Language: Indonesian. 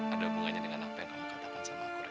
ada hubungannya dengan apa yang kamu katakan sama aku